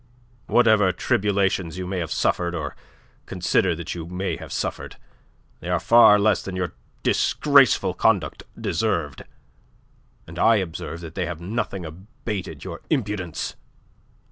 "Whatever tribulations you may have suffered or consider that you may have suffered, they are far less than your disgraceful conduct deserved, and I observe that they have nothing abated your impudence.